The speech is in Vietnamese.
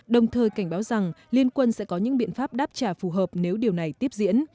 đồng thời cảnh báo rằng liên quân sẽ có những biện pháp đáp trả phù hợp nếu điều này tiếp diễn